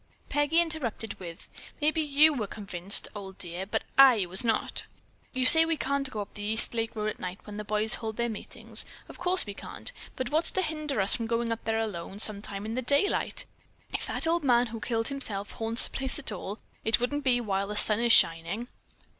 Peggy interrupted with: "Maybe you were convinced, old dear, but I was not. You say we can't go up the East Lake Road at night when the boys hold their meetings. Of course we can't, but what's to hinder us from going up there alone some time in the daylight. If that old man who killed himself haunts the place at all, it wouldn't be while the sun is shining."